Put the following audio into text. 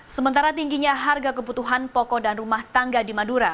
sementara tingginya harga kebutuhan pokok dan rumah tangga di madura